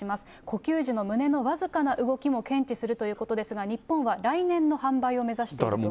呼吸時の胸のわずかな動きも検知するということですが、日本は来年の販売を目指していると。